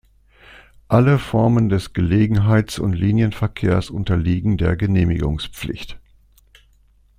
Alle Formen des Gelegenheits- und Linienverkehrs unterliegen der Genehmigungspflicht.